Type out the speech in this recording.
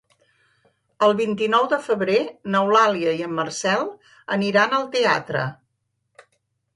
El vint-i-nou de febrer n'Eulàlia i en Marcel aniran al teatre.